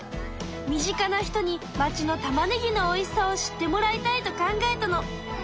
身近な人に町のたまねぎのおいしさを知ってもらいたいと考えたの。